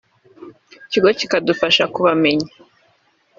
ikigo kikadufasha kubamenya